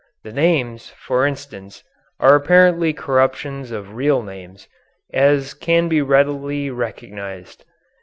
The names, for instance, are apparently corruptions of real names, as can be readily recognized.